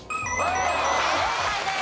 正解です。